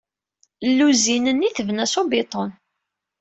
Lluzin-nni tebna s ubiṭun.